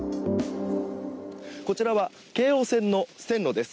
こちらは京王線の線路です。